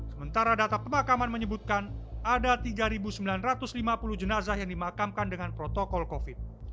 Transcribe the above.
sementara data pemakaman menyebutkan ada tiga sembilan ratus lima puluh jenazah yang dimakamkan dengan protokol covid